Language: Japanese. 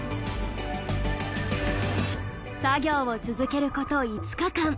作業を続けること５日間。